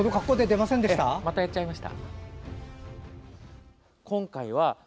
またやっちゃいました。